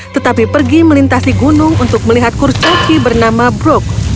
tetapi pergi melintasi gunung untuk melihat kurcaci bernama brok